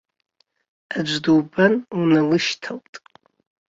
Аӡә дубан, уналышьҭалт.